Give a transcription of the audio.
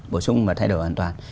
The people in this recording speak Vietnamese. bổ sung và thay đổi hoàn toàn